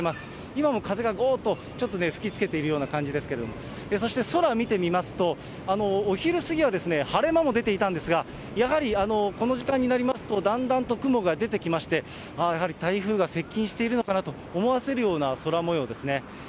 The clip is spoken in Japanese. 今も風がごーっと、ちょっと吹きつけているような感じですけれども、そして空見てみますと、お昼過ぎは晴れ間も出ていたんですが、やはりこの時間になりますと、だんだんと雲が出てきまして、やはり台風が接近しているのかなと思わせるような空もようですね。